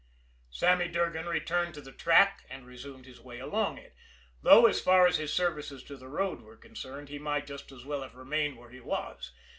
Sammy Durgan returned to the track, and resumed his way along it; though, as far as his services to the road were concerned, he might just as well have remained where he was.